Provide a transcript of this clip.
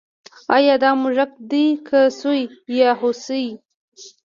ایا دا موږک دی که سوی یا هوسۍ